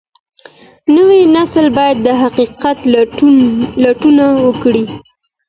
نوی نسل باید د حقیقت لټون وکړي.